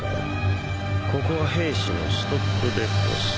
ここは兵士のストックデポさ